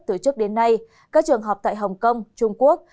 từ trước đến nay các trường học tại hồng kông trung quốc